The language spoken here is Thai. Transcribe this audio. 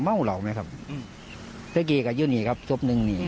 เมื่อกี้ก็อยู่หนีครับสบนึงหนี